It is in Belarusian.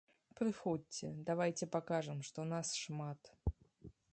Прыходзьце, давайце пакажам, што нас шмат.